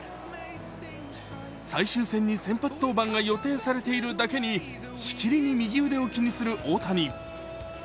最終戦に先発登板が予定されているだけに、しきりに右腕を気にする大谷。